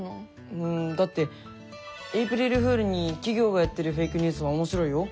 うんだってエイプリルフールに企業がやってるフェイクニュースも面白いよ。